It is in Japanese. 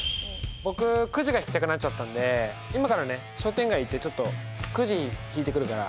僕くじが引きたくなっちゃったんで今からね商店街行ってちょっとくじ引いてくるから。